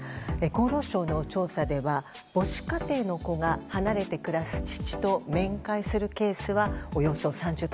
厚労省の調査では母子家庭の子が離れて暮らす父と面会するケースはおよそ３０％。